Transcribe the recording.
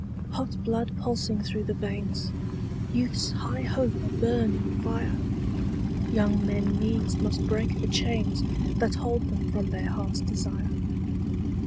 Hot blood pulsing through the veins, Youth's high hope a burning fire, Young men needs must break the chains That hold them from their hearts' desire.